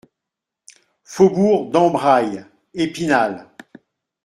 Faubourg d'Ambrail, Épinal